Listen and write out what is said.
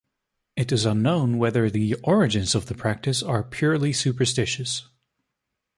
It is unknown whether the origins of the practice are purely superstitious.